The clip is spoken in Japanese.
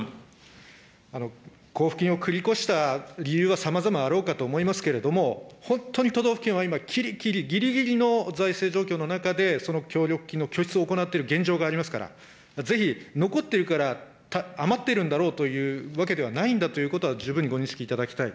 交付金を繰り越した理由はさまざまあろうかと思いますけれども、本当に都道府県は今、ぎりぎり、ぎりぎりの財政状況の中で、その協力金の拠出を行っている現状がありますから、ぜひ、残っているから余っているんだろうというわけではないんだということは十分にご認識いただきたい。